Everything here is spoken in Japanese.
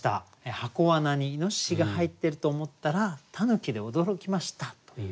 「箱罠にイノシシが入ってると思ったら狸で驚きました」という。